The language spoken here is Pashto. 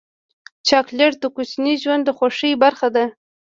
چاکلېټ د کوچني ژوند د خوښۍ برخه ده.